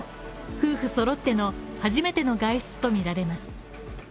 夫婦揃っての初めての外出とみられます。